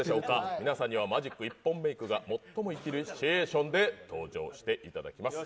皆さんにはマジック一本メークが最も生きるシチュエーションで登場してもらいます。